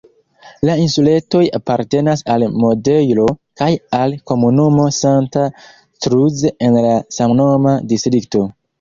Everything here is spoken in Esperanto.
La insuletoj apartenas al Madejro kaj al komunumo Santa Cruz en la samnoma distrikto.